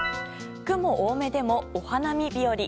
雲多めでも、お花見日和。